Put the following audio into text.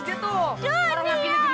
aku tak mau